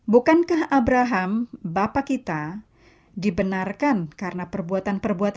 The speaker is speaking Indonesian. bukankah abraham bapak kita dibenarkan karena perbuatanmu